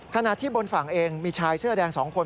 ขณะที่บนฝั่งเองมีชายเสื้อแดง๒คน